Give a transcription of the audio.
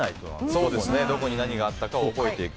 どこに何があったかを覚えていく。